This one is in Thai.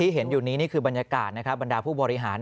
เห็นอยู่นี้นี่คือบรรยากาศบรรดาผู้บริหาร